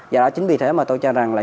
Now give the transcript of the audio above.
do đó chính vì thế mà tôi cho rằng là